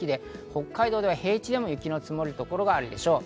北海道では平地でも雪の積もる所があるでしょう。